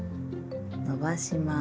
伸ばします。